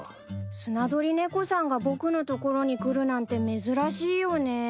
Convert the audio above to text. スナドリネコさんが僕のところに来るなんて珍しいよね。